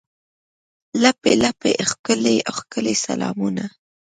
لپې، لپې ښکلي، ښکلي سلامونه